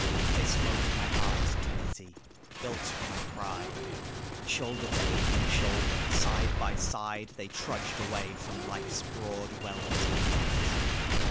They smote my heart to pity, built my pride. Shoulder to aching shoulder, side by side, They trudged away from life's broad wealds of light.